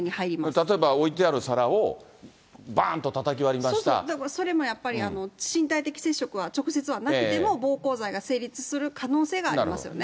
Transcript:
例えば置いてある皿を、それもやっぱり、身体的接触は直接はなくても、暴行罪が成立する可能性がありますよね。